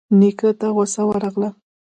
نيکه ته غوسه ورغله.